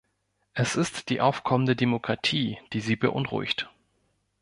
Es ist die aufkommende Demokratie, die sie beunruhigt.